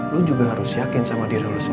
lo juga harus yakin sama diri lo sendiri bahwa